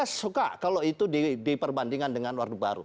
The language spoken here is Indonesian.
konteks untuk acara acara seperti ini itu tidak bisa diperkaitkan dengan orde baru